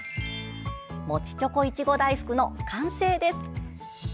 もちチョコいちご大福の完成です。